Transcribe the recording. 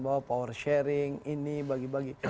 bahwa power sharing ini bagi bagi